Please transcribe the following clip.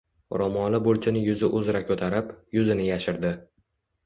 Ro‘moli burchini yuzi uzra ko‘tarib... yuzini yashirdi.